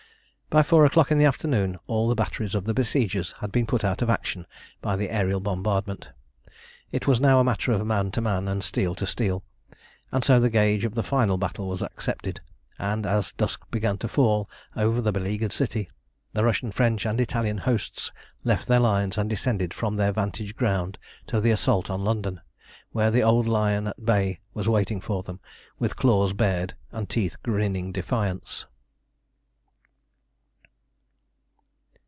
By four o'clock in the afternoon all the batteries of the besiegers had been put out of action by the aërial bombardment. It was now a matter of man to man and steel to steel, and so the gage of final battle was accepted, and as dusk began to fall over the beleaguered city, the Russian, French and Italian hosts left their lines, and descended from their vantage ground to the assault on London, where the old Lion at bay was waiting for them with claws bared and teeth grinning defiance.